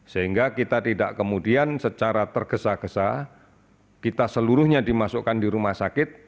sehingga kita tidak kemudian secara tergesa gesa kita seluruhnya dimasukkan di rumah sakit